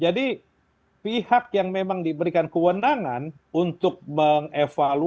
jadi pihak yang memang diberikan kewenangan untuk mengevaluasi mengelola